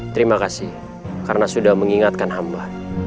terima kasih karena sudah mengingatkan hamba